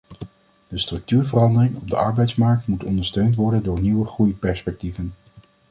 De structuurverandering op de arbeidsmarkt moet ondersteund worden door nieuwe groeiperspectieven.